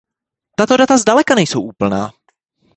Tato data zdaleka nejsou úplná.